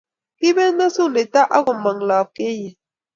kibet mesundeito ak komong lopkeyet